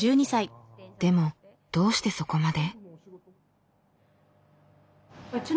でもどうしてそこまで？